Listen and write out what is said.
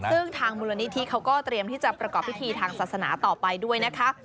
ซึ่งทางมูลนิธิเขาก็เตรียมที่จะประกอบพิธีทางศาสนาต่อไปด้วยนะคะ